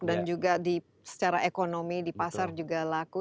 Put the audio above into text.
dan juga secara ekonomi di pasar juga laku